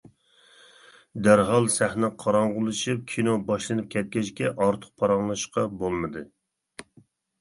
دەرھال سەھنە قاراڭغۇلىشىپ، كىنو باشلىنىپ كەتكەچكە ئارتۇق پاراڭلىشىشقا بولمىدى.